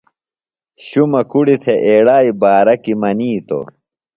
شُمہ کُڑیۡ تھےۡ ایڑائیۡ بارہ کیۡ منِیتوۡ